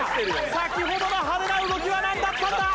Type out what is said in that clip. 先ほどの派手な動きはなんだったんだ！？